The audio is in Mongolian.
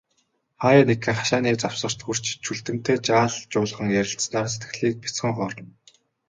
Хааяа нэгхэн, хашааны завсарт хүрч, Чүлтэмтэй жаал жуулхан ярилцсанаар сэтгэлийг бяцхан хуурна.